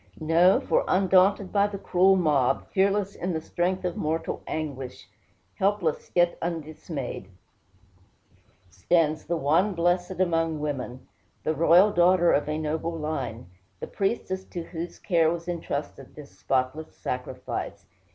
No; for undaunted by the cruel mob, fearless in the strength of mortal anguish, helpless, yet undismayed, stands the one blessed among women, the royal daughter of a noble line, the priestess to whose care was intrusted this spotless sacrifice.